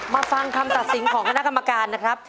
ฟังคำตัดสินของคณะกรรมการนะครับ